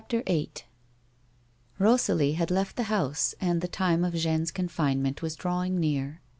121 VIIL EosALiE had left the house and the time of Jeanne's confine ment was drawing near.